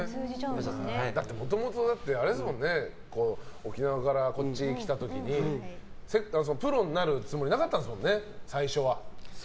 もともと沖縄からこっちに来た時にプロになるつもりなかったんですもんね、最初は。